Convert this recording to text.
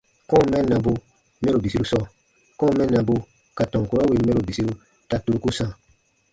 Kɔ̃ɔ mɛnnabu mɛro bisiru sɔɔ : kɔ̃ɔ mɛnnabu ka tɔn kurɔ wìn mɛro bisiru ta turuku sãa.